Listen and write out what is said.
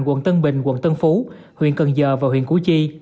quận tân bình quận tân phú huyện cần giờ và huyện củ chi